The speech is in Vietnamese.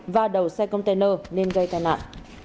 và đầu xe container nên gây tên nạn